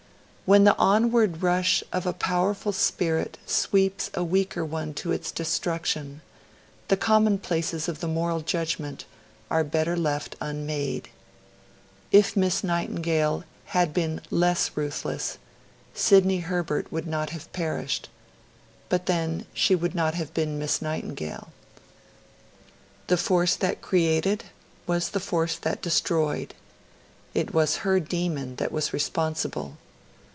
When the onward rush of a powerful spirit sweeps a weaker one to its destruction, the commonplaces of the moral judgment are better left unmade. If Miss Nightingale had been less ruthless, Sidney Herbert would not have perished; but then, she would not have been Miss Nightingale. The force that created was the force that destroyed. It was her Demon that was responsible.